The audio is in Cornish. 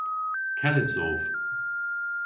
Kellys ov.